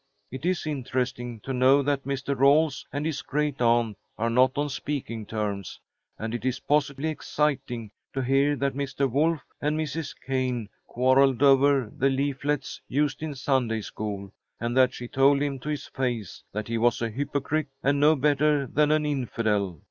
It is interesting to know that Mr. Rawles and his great aunt are not on speaking terms, and it is positively exciting to hear that Mr. Wolf and Mrs. Cayne quarrelled over the leaflets used in Sunday school, and that she told him to his face that he was a hypocrite and no better than an infidel.